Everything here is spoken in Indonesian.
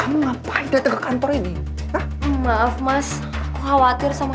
kamu ngapain dateng ke kantor ini maaf mas aku khawatir sama kamu